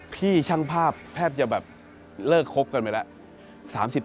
พี่ช่างภาพแทบจะแบบเลิกคบกันไปแล้ว